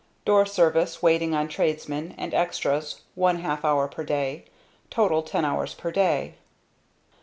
Door service, waiting on tradesmen, and extras one half hour per day. Total ten hours per day."